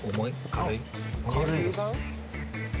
軽いです。